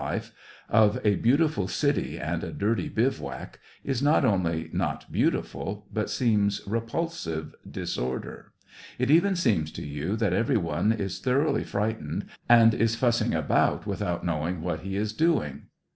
life, of a beautiful city and a dirty bivouac, is not only not beautiful, but seems repulsive disorder ; it even seems to you that every one is thoroughly frightened, and is fussing about without knowing what he is doing.